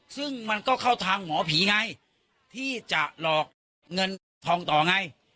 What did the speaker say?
ซึ่งมันก็เข้าทางหมอผีไงที่จะหลอกเงินเก็บทองต่อไง